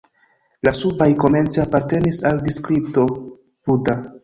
La subaj komence apartenis al Distrikto Buda.